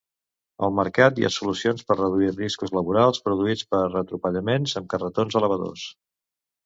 Al mercat hi ha solucions per reduir riscos laborals produïts per atropellaments amb carretons elevadors.